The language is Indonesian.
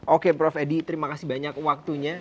oke prof edi terima kasih banyak waktunya